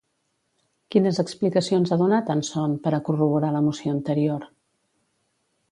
Quines explicacions ha donat Anson per a corroborar la moció anterior?